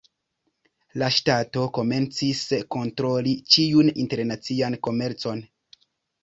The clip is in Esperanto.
La ŝtato komencis kontroli ĉiun internacian komercon.